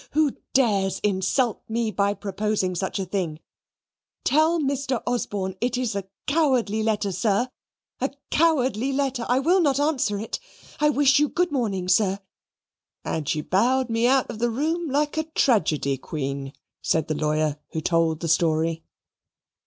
Who dares insult me by proposing such a thing? Tell Mr. Osborne it is a cowardly letter, sir a cowardly letter I will not answer it. I wish you good morning, sir and she bowed me out of the room like a tragedy Queen," said the lawyer who told the story.